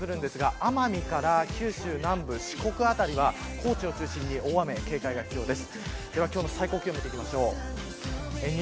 それから、沖縄はお天気回復してくるんですが奄美から九州南部、四国辺りは高知を中心に大雨に警戒が必要です。